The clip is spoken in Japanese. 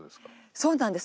そうなんです。